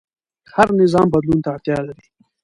هر نظام بدلون ته اړتیا لري